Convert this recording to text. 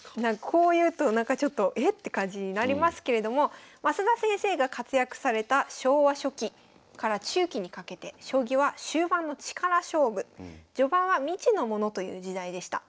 こう言うとえっ？って感じになりますけれども升田先生が活躍された昭和初期から中期にかけて将棋は終盤の力勝負序盤は未知のものという時代でした。